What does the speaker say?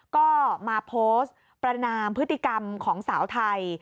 ก็มาโพสต์ประนามพฤติกรรมของสาวไทย